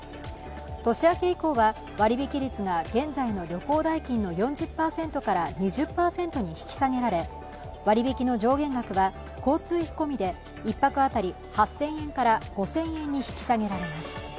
年明け以降は割引率が現在の旅行代金の４０％から２０％に引き下げられ割引の上限額は交通費込みで１泊当たり８０００円から５０００円に引き下げられます。